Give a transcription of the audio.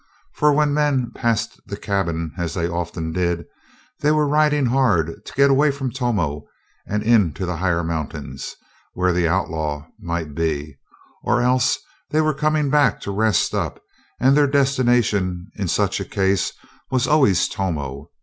For when men passed the cabin, as they often did, they were riding hard to get away from Tomo and into the higher mountains, where the outlaw might be, or else they were coming back to rest up, and their destination in such a case was always Tomo.